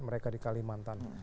mereka di kalimantan